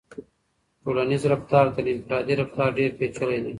ټولنیز رفتار تر انفرادي رفتار ډېر پیچلی دی.